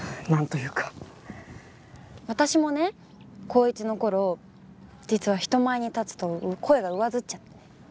私もね高１の頃実は人前に立つと声が上ずっちゃって。